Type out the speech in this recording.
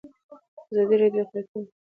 ازادي راډیو د اقلیتونه ستر اهميت تشریح کړی.